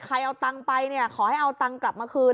ใครเอาตังไปขอให้เอาตังกลับมาคืน